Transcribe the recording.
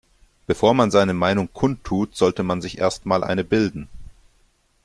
Bevor man seine Meinung kundtut, sollte man sich erst mal eine bilden.